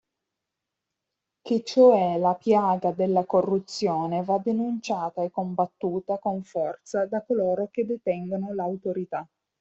Che cioè la piaga della corruzione va denunciata e combattuta con forza da coloro che detengono l'autorità.